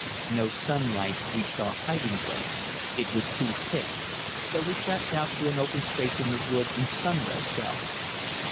No sunlight reached our hiding place, it was too thick, so we crept out to an open space in the wood and sunned ourselves.